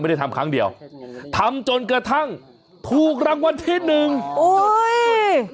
ไม่ได้ทำครั้งเดียวทำจนกระทั่งถูกรางวัลที่หนึ่งโอ้ย